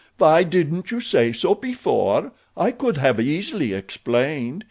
"Why didn't you say so before? I could have easily explained.